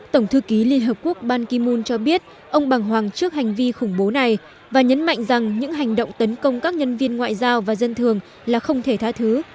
tổng thư ký liên hợp quốc ban kim mun cho biết ông bằng hoàng trước hành vi khủng bố này và nhấn mạnh rằng những hành động tấn công các nhân viên ngoại giao và dân thường là không thể tha thứ